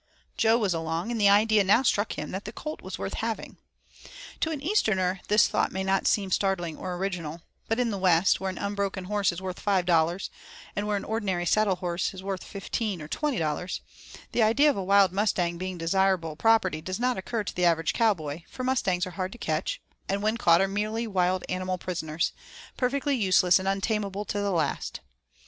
Jo was along, and the idea now struck him that that colt was worth having. To an Easterner this thought may not seem startling or original, but in the West, where an unbroken horse is worth $5, and where an ordinary saddlehorse is worth $15 or $20, the idea of a wild mustang being desirable property does not occur to the average cowboy, for mustangs are hard to catch, and when caught are merely wild animal prisoners, perfectly useless and untamable to the last.